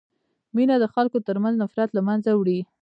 مینه د خلکو ترمنځ نفرت له منځه وړي.